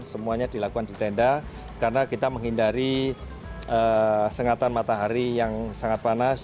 semuanya dilakukan di tenda karena kita menghindari sengatan matahari yang sangat panas